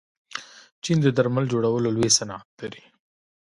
چین د درمل جوړولو لوی صنعت لري.